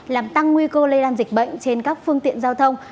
làm tăng nguy cơ lây lan dịch bệnh trên các phương tiện giao thông